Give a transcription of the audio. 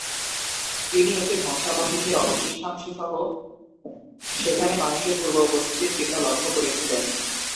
তিনি একটি ধ্বংসাবশেষের অবশিষ্টাংশ সহ সেখানে মানুষের পূর্ব উপস্থিতির চিহ্ন লক্ষ্য করেছিলেন।